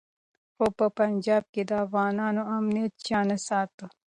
خو په پنجاب کي د افغانانو امنیت چا نه ساته.